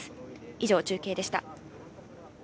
以上、中継でした。